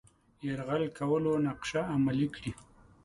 یرغل کولو نقشه عملي کړي.